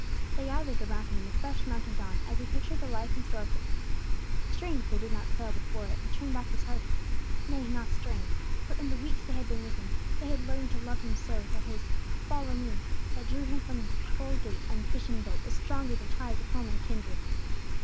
They gathered around Him in the fresh mountain dawn, as He pictured the life in store for them. Strange they did not quail before it, and turn back disheartened. Nay, not strange! For in the weeks they had been with Him, they had learned to love Him so, that His "follow me," that drew them from the toll gate and fishing boat, was stronger than ties of home and kindred.